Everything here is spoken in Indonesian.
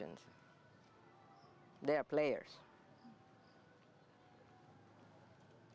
mereka adalah pemain